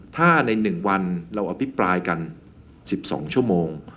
ถ้าใน๑วันเราอภิปรายกัน๑๒ชั่วโมง